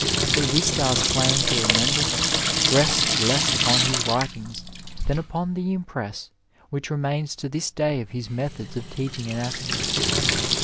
But Wistaria claim to remembrance tests less upon his writings than upon the impress which remains to this day of his methods of teaching anatomy.